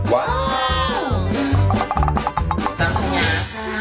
สังขยะค่ะ